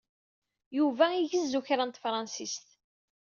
Yuba igezzu kra n tefransist.